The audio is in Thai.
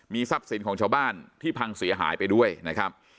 ทรัพย์สินของชาวบ้านที่พังเสียหายไปด้วยนะครับ